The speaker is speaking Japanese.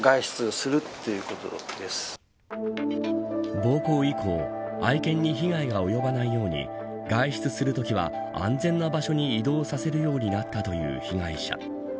暴行以降、愛犬に被害が及ばないように外出するときは安全な場所に移動させるようになったという被害者。